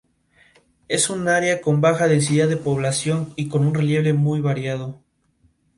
Es un área con baja densidad de población y con un relieve muy variado.